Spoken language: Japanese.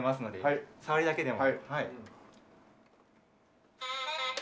さわりだけでも。